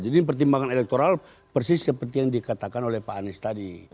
jadi pertimbangan elektoral persis seperti yang dikatakan oleh pak anies tadi